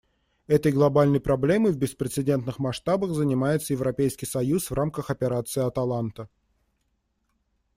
Этой глобальной проблемой в беспрецедентных масштабах занимается Европейский союз в рамках Операции «Аталанта».